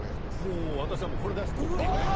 もう私はこれ出しとっていいぐらい。